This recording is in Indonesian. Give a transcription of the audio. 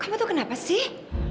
kamu itu kenapa sih